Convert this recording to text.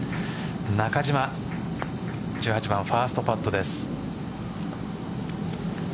中島１８番、ファーストパットです。